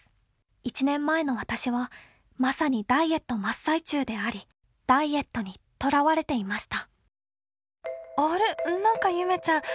一年前の私は、まさにダイエット真っ最中であり、ダイエットにとらわれていました」。